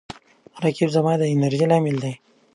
رقیب زما د انرژۍ لامل دی